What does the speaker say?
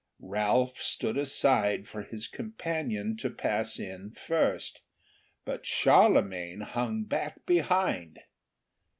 Ralph stood aside for his companion to pass in first, but Charlemagne hung back behind.